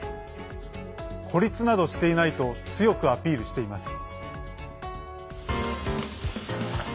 孤立などしていないと強くアピールしています。